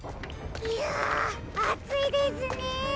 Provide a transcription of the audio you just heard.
ひゃあついですね。